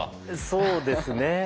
そうですねええ。